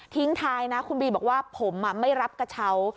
ทิ้งท้ายนะคุณบีบอกว่าผมไม่รับกระเช้า